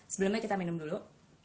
sebelumnya kita minum dulu